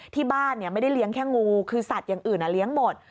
ที่บ้านไม่ได้เลี้ยงแค่งูคือสัตว์อย่างอื่นเลี้ยงหมด